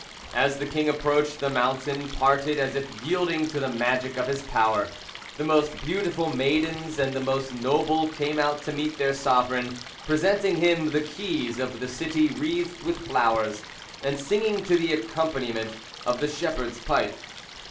As the king approached the mountain parted as if yielding to the magic of his power, the most beautiful maidens and the most noble came out to meet their sovereign, presenting him the keys of the city wreathed with flowers, and singing to the accompaniment of the shepherd's pipe.